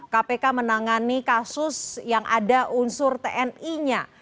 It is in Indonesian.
kpk menangani kasus yang ada unsur tni nya